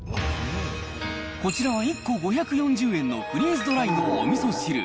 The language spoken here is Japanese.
こちらは１個５４０円のフリーズドライのおみそ汁。